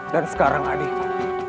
dan sekarang adikku